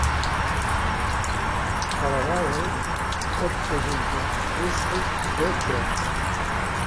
A vegades pot presentar restes de vel.